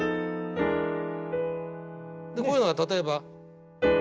こういうのが例えば。